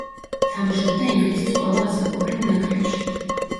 თამაშობდა ინგლისის ყველა ასაკობრივ ნაკრებში.